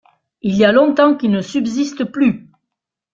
Il y a longtemps qu'ils ne subsistent plus.